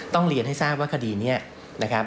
เรียนให้ทราบว่าคดีนี้นะครับ